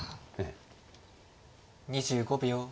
２５秒。